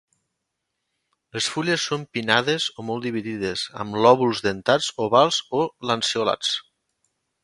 Les fulles són pinnades o molt dividides, amb lòbuls dentats ovals o lanceolats.